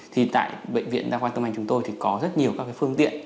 thì tại bệnh viện đa khoa tâm anh chúng tôi thì có rất nhiều các phương tiện